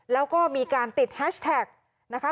แล้วก็มีการติดแฮชแท็กนะคะ